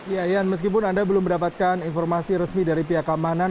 ya ian meskipun anda belum mendapatkan informasi resmi dari pihak keamanan